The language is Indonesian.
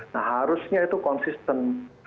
nah harusnya itu konsisten